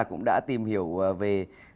cũng đã tìm hiểu về